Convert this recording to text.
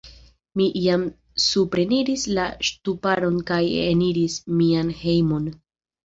Mi jam supreniris la ŝtuparon kaj eniris mian hejmon.